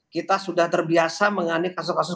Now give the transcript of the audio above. kita sudah terbiasa mengani kasus kasus